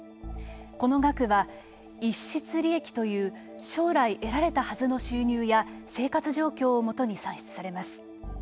この額は、逸失利益という将来得られたはずの収入や生活状況を基に算出されます。